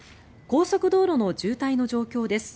高速道路の渋滞の状況です。